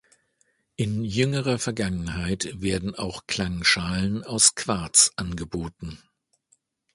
In jüngerer Vergangenheit werden auch Klangschalen aus Quarz angeboten.